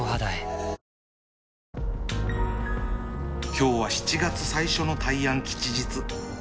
今日は７月最初の大安吉日